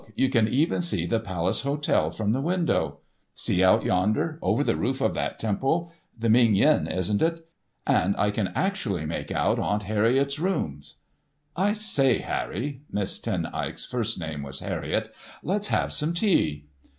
You can even see the Palace Hotel from the window. See out yonder, over the roof of that temple—the Ming Yen, isn't it?—and I can actually make out Aunt Harriett's rooms." "I say, Harry (Miss Ten Eyck's first name was Harriett) let's have some tea."